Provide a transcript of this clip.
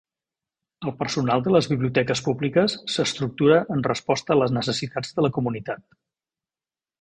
El personal de les biblioteques públiques s'estructura en resposta a les necessitats de la comunitat.